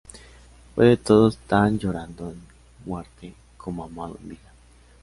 Fue de todos tan llorado en muerte, como amado en vida.